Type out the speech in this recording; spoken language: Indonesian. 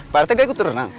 pak rete gak ikut berenang